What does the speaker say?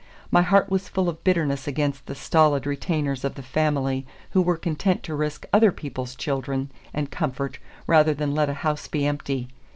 My heart was full of bitterness against the stolid retainers of a family who were content to risk other people's children and comfort rather than let a house be empty.